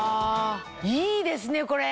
いいですねこれ。